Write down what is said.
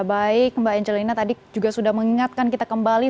baik mbak angelina tadi juga sudah mengingatkan kita kembali